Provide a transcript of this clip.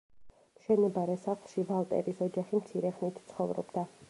მშენებარე სახლში ვალტერის ოჯახი მცირე ხნით ცხოვრობდა.